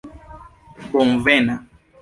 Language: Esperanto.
bonvena